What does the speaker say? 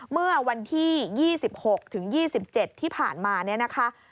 เมื่อวันที่๒๖ถึง๒๗ที่ผ่านมาเนี่ยนะคะ